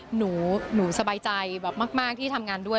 หนูสบายใจแบบมากที่ทำงานด้วย